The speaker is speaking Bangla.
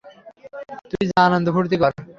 তুই যা, আনন্দ ফুর্তি কর।